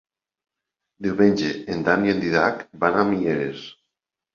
Diumenge en Dan i en Dídac van a Mieres.